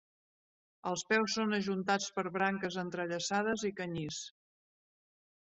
Els peus són ajuntats per branques entrellaçades i canyís.